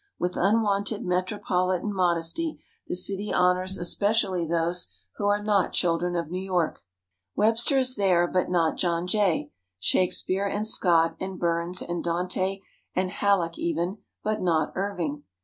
With unwonted metropolitan modesty the city honors especially those who are not children of New York. Webster is there, but not John Jay; Shakespeare and Scott and Burns and Dante and Halleck even, but not Irving.